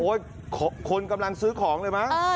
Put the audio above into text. คนกำลังซื้อของเลยมั้ง